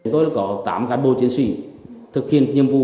tôi đã có tám cán bộ chiến sĩ thực hiện nhiệm vụ